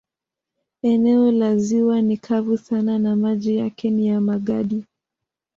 Eneo la ziwa ni kavu sana na maji yake ni ya magadi.